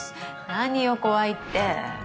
何よ怖いって。